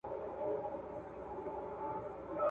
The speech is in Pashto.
دغه ځوز مي له پښې وکاږه نور ستا یم .